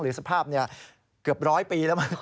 หรือสภาพเนี่ยเกือบ๑๐๐ปีแล้วมั้ง